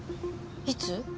いつ？